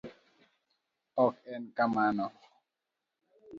Ok en kamano.